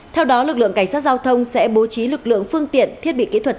theo đó lực lượng cảnh sát giao thông sẽ bố trí lực lượng phương tiện thiết bị kỹ thuật